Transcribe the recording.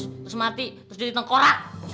terus mati terus jadi tengkorak